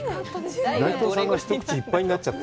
内藤さんの一口、いっぱいになっちゃって。